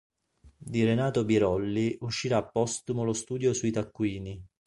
Di Renato Birolli uscirà postumo lo studio sui "Taccuini".